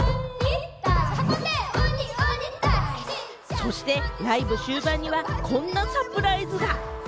そしてライブ終盤にはこんなサプライズが。